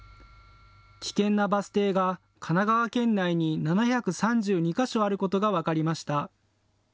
危険なバス停が神奈川県内に７３２か所あることが分かりました。